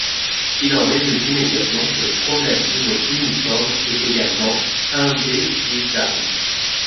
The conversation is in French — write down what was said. Il en résulte immédiatement que le problème du mot uniforme est également indécidable.